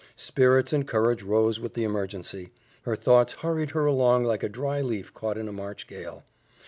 Spirits and courage rose with the emergency; her thoughts hurried her along like a dry leaf caught in a March gale.